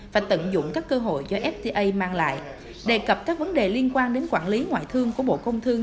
và tận dụng các cơ hội do fta mang lại đề cập các vấn đề liên quan đến quản lý ngoại thương của bộ công thương